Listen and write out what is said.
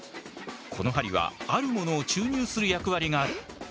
この針はあるものを注入する役割がある。